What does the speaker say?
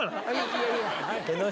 いやいや。